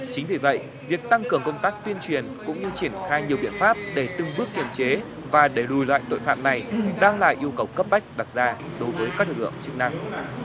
chính vì vậy việc tăng cường công tác tuyên truyền cũng như triển khai nhiều biện pháp để từng bước kiềm chế và đẩy lùi loại tội phạm này đang là yêu cầu cấp bách đặt ra đối với các lực lượng chức năng